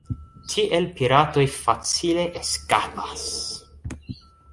Tiel piratoj facile eskapas.